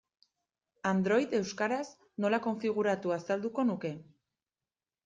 Android euskaraz nola konfiguratu azalduko nuke.